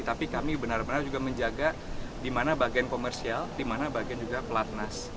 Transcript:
tapi kami benar benar juga menjaga di mana bagian komersial di mana bagian juga pelatnas